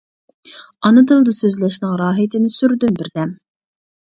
ئانا تىلدا سۆزلەشنىڭ راھىتىنى سۈردۈم بىردەم.